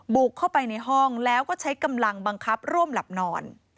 บุกเข้าไปในห้องแล้วก็ใช้กำลังบังคับร่วมหลับนอน